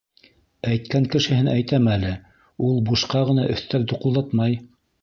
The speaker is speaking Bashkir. Әйткән кешеһен әйтәм әле, ул бушҡа ғына өҫтәл туҡылдатмай.